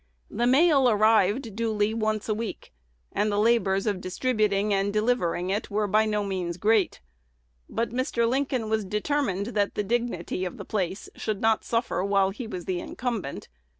The mail arrived duly once a week; and the labors of distributing and delivering it were by no means great. But Mr. Lincoln was determined that the dignity of the place should not suffer while he was the incumbent.